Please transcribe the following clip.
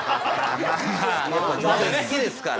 好きですから。